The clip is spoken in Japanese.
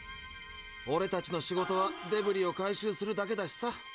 オレたちの仕事はデブリを回収するだけだしさ。